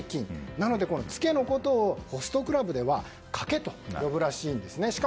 なのでツケのことをホストクラブではカケと呼ぶらしいです。